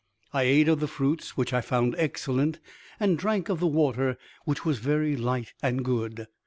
I ate of the fruits, which I found excellent; and drank of the water, which was very light and good.